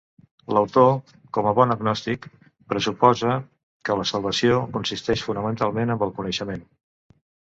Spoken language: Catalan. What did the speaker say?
L'autor, com a bon gnòstic, pressuposa que la salvació consisteix fonamentalment amb el coneixement.